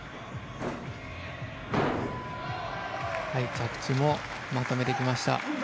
着地もまとめてきました。